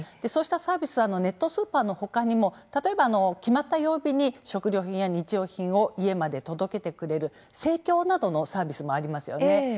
そうしたサービスネットスーパーのほかにも例えば決まった曜日に食料品や日用品を家まで届けてくれる生協などのサービスもありますよね。